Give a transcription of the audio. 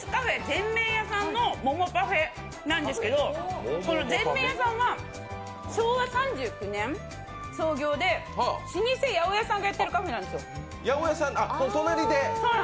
ぜんめいやさんの桃パフェなんですけどぜんめいやさんは昭和３９年創業で、老舗八百屋さんがやっているカフェなんですよ。